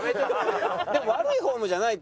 でも悪いフォームじゃないって。